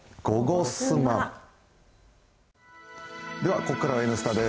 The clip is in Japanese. ここからは「Ｎスタ」です。